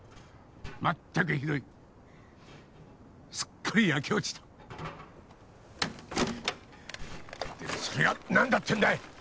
まったくひどいすっかり焼け落ちたでもそれが何だってんだい！